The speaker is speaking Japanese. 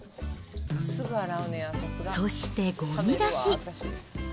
そしてごみ出し。